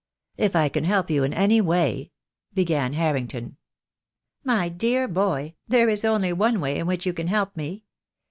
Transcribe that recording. "If I can help you in any way " began Har rington. "My dear boy, there is only one way in which you can help me.